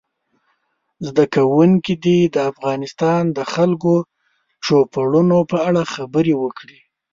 زده کوونکي دې د افغانستان د خلکو د چوپړونو په اړه خبرې وکړي.